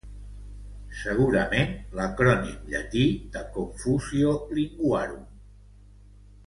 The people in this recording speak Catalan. Segurament l'acrònim llatí de «Confusio linguarum».